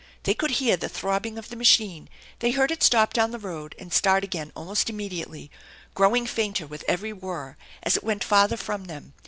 They could hear the throbbing of the machine; they heard it stop down the road and start again almost immediately, growing fainter with every whir as it went farther from them.